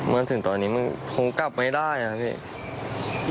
เมื่อถึงตอนนี้ผมกลับไม่ได้ครับพี่